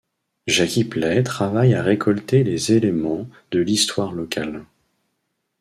Jackie Pley travaille à récolter les éléments de l'histoire locale.